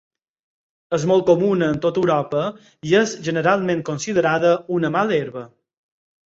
És molt comuna en tota Europa i és generalment considerada una mala herba.